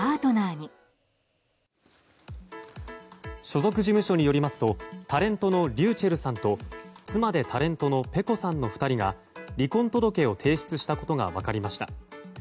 所属事務所によりますとタレントのｒｙｕｃｈｅｌｌさんと妻でタレントのｐｅｃｏさんの２人が離婚届を提出したことが分かりました。